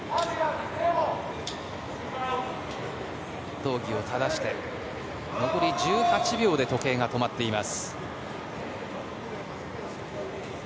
道着を正して残り１８秒で時計が止まっています。